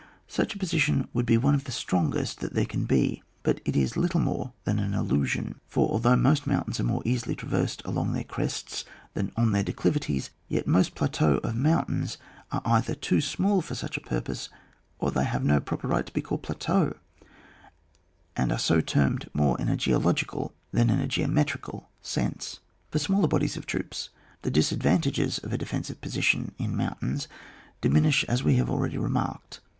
Such a position would be one of the strongest that there can be, but it is little more than an illusion, for although most mountains euro more easily tra versed along their crests than on their declivities, yet most plateaux of moim tains are either too small for such a pur pose, or they have no proper right to be called plateaux, and are so termed more in a geological, than in a geometrical sense. For smaller bodies of troops, the dis advantages of a defensive position in mountains diminish as we have already remarked.